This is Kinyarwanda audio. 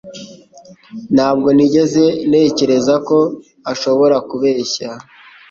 Ntabwo nigeze ntekereza ko ashobora kubeshya.